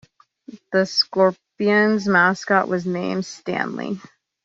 The Scorpions' mascot was named Stanley.